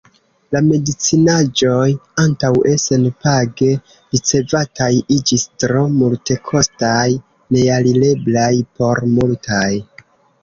La medicinaĵoj, antaŭe senpage ricevataj, iĝis tro multekostaj, nealireblaj por multaj.